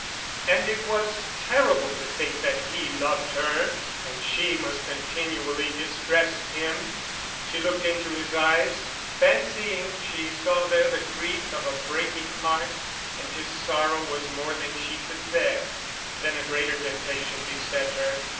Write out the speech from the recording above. And it was terrible to think that he loved her, and she must continually distress him. She looked into his eyes, fancying she saw there the grief of a breaking heart; and his sorrow was more than she could bear. Then a greater temptation beset her.